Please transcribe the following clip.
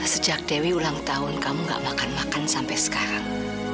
sejak dewi ulang tahun kamu gak makan makan sampai sekarang